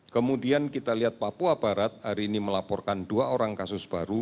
kemudian kita lihat papua barat hari ini melaporkan dua orang kasus baru